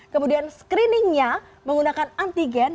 kemudian screeningnya menggunakan antigen